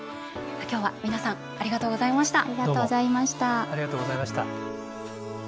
今日は、皆さんありがとうございました。